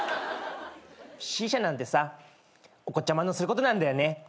シーシャなんてさお子ちゃまのすることなんだよね。